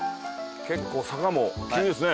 結構坂も急ですね。